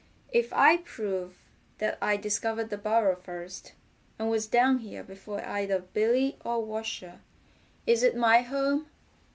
"If I prove that I discovered the burrow first, and was down here before either Billy or Washer, is it my home?"